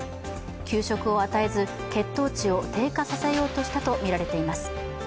給食を与えず、血糖値を低下させようとしたとみられています。